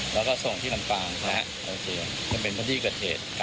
แล้วก็ส่งที่ลำปลางโจรเชียมเป็นประตูดีเกิดเทศ